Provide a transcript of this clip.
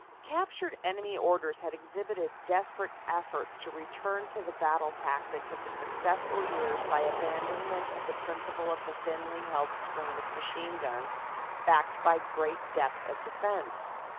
Captured enemy orders had exhibited desperate efforts to return to the battle tactics of the successful years by abandon ment of the principle of the thinly held screen of machine guns backed by great depth of defense.